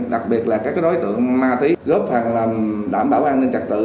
đặc biệt là các đối tượng ma túy góp phần làm đảm bảo an ninh trật tự